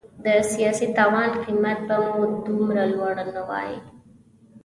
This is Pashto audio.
د سیاسي تاوان قیمت به مو دومره لوړ نه وای.